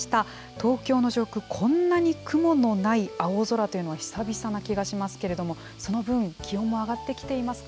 東京の上空、こんなに雲のない青空というのは久々な気がしますけれども、その分、気温も上がってきていますか？